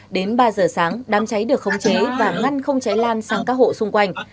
đến ba giờ sáng đám cháy được khống chế và ngăn không cháy lan sang các hộ xung quanh